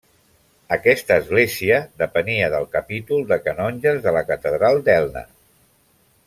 Aquesta església depenia del capítol de canonges de la catedral d'Elna.